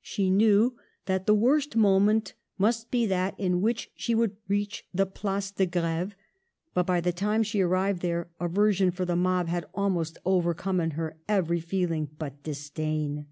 She knew that the worse moment must be that in which she would reach the Place de Gr&ve ; but by the time she arrived there aversion for the mob had almost overcome in her every feeling but disdain.